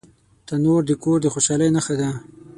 تنور د کور د خوشحالۍ نښه ده